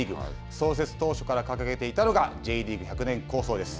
創設当初から掲げていたのが、Ｊリーグ百年構想です。